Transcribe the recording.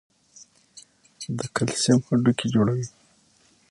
د کلسیم هډوکي جوړوي.